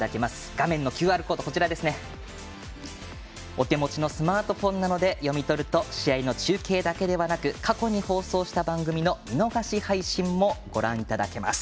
番組のＱＲコードお手持ちのスマートフォンなどで読み取ると試合の中継だけではなく過去に放送した番組の見逃し配信もご覧いただけます。